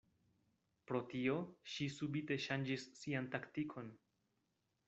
Pro tio, ŝi subite ŝanĝis sian taktikon.